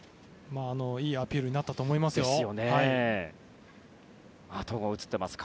いいアピールになったと思いますよ。